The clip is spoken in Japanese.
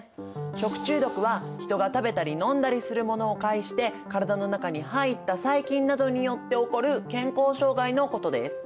食中毒は人が食べたり飲んだりするものを介して体の中に入った細菌などによって起こる健康障害のことです。